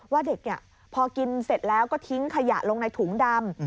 ว่าเด็กพอกินเสร็จแล้วก็ทิ้งขยะลงในถุงดำ